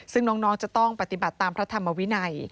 ซึ่งน้องจะต้องปฏิบัติตามพระธรรมวินัย